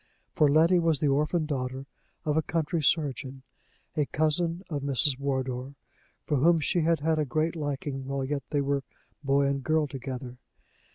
For Letty was the orphan daughter of a country surgeon, a cousin of Mrs. Wardour, for whom she had had a great liking while yet they were boy and girl together.